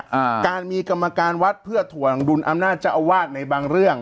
อ่าการมีกรรมการวัดเพื่อถ่วงดุลอำนาจเจ้าอาวาสในบางเรื่อง